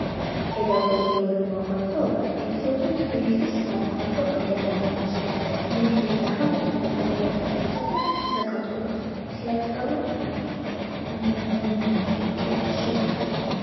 პედაგოგიურ მოღვაწეობას ეწეოდა თბილისის სამხატვრო აკადემიაში, თბილისის სახელმწიფო უნივერსიტეტსა და საქართველოს თეატრალურ ინსტიტუტში.